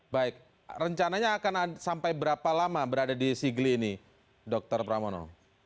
baik rencananya akan sampai berapa lama berada di sigli ini dokter pramono